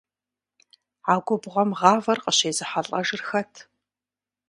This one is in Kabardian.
А губгъуэм гъавэр къыщезыхьэлӏэжыр хэт?